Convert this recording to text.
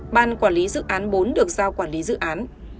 ban quản lý dự án bốn được giao quản lý dự án